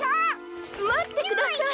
まってください！